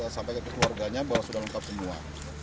sampai ke keluarganya bahwa sudah lengkap semua